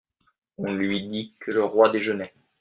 On lui dit que le roi déjeunait.